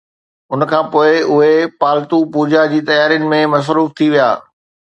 ان کان پوء اهي پالتو پوجا جي تيارين ۾ مصروف ٿي ويا